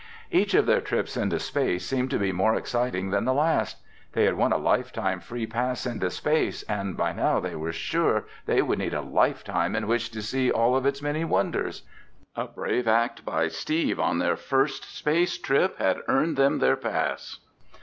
Each of their trips into space seemed to be more exciting than the last. They had won a lifetime free pass into space and by now they were sure they would need a lifetime in which to see all of its many wonders. A brave act by Steve on their first space trip had earned them their pass.